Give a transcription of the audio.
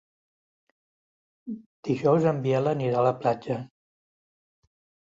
Dijous en Biel anirà a la platja.